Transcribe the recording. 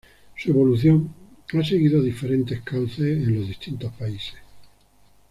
Su evolución ha seguido diferentes cauces en los distintos países.